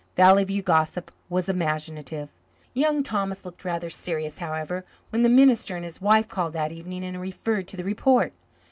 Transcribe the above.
Valley View gossip was imaginative. Young Thomas looked rather serious, however, when the minister and his wife called that evening and referred to the report.